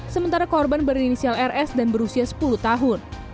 sementara korban berinisial rs dan berusia sepuluh tahun